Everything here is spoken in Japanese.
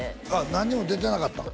何にも出てなかったん？